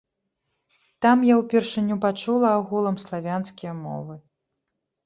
Там я ўпершыню пачула агулам славянскія мовы.